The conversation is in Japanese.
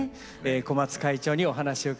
小松会長にお話を伺いました。